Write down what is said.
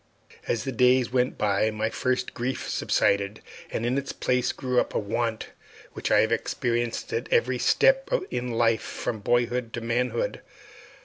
As the days went by my first grief subsided, and in its place grew up a want which I have experienced at every step in life from boyhood to manhood.